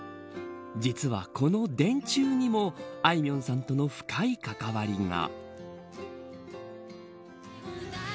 実は、この電柱にもあいみょんさんとの深い関わりが。